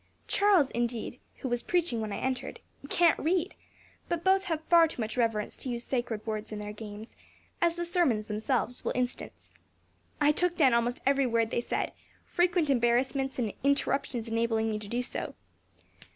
Charles, indeed, who was preaching when I entered, can't read; but both have far too much reverence to use sacred words in their games, as the sermons themselves will instance. I took down almost every word they said, frequent embarrassments and interruptions enabling me to do so.